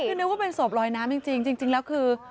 คือนึกว่าเป็นศพลอยน้ำจริงจริงแล้วคือ